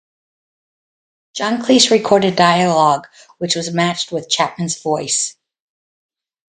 John Cleese recorded dialogue which was matched with Chapman's voice.